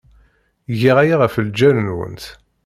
Giɣ aya ɣef lǧal-nwent.